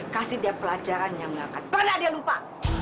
kasih dia pelajaran yang gak akan pernah dia lupa